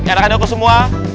nyarakan dong ke semua